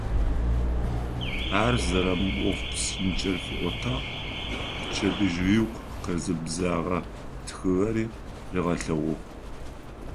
Ар зэрэмыӏоф псынкӏэр фиӏотагъ, пчэдыжь ыгу къэзыбзэгъэ тхыгъэри ригъэлъэгъугъ.